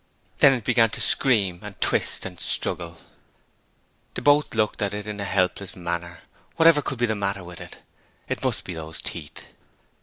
Then it began to scream and twist and struggle. They both looked at it in a helpless manner. Whatever could be the matter with it? It must be those teeth.